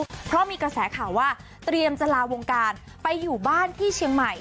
เพราะมีกระแสข่าวว่าเตรียมจะลาวงการไปอยู่บ้านที่เชียงใหม่